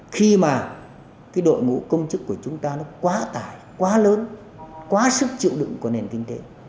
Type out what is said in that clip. khi mà cái đội ngũ công chức của chúng ta nó quá tải quá lớn quá sức chịu đựng của nền kinh tế